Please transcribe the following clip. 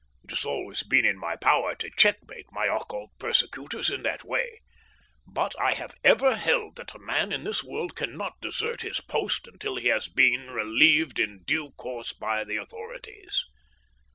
It has always been in my power to checkmate my occult persecutors in that way, but I have ever held that a man in this world cannot desert his post until he has been relieved in due course by the authorities.